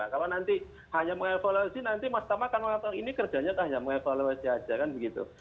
kalau nanti hanya meng evaluasi nanti mas dama akan mengatakan ini kerjanya hanya meng evaluasi saja kan begitu